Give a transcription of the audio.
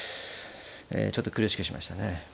ちょっと苦しくしましたね。